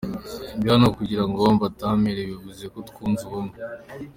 Ndi hano kugira ngo mbataramire, bivuze ko twunze ubumwe.